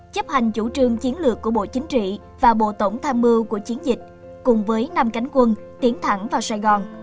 chấp hành chủ trương chiến lược của bộ chính trị và bộ tổng tham mưu của chiến dịch cùng với năm cánh quân tiến thẳng vào sài gòn